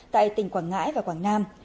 tại tỉnh quảng ngãi và quảng nam